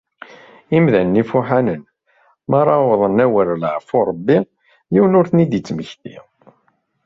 Imdanen ifuḥanen, mi ara awḍen awer leɛfu n Rebbi , yiwen ur ten-id-yettmmekti.